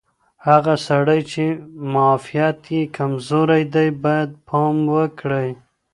هغه سړی چې معافیت یې کمزوری دی باید پام وکړي.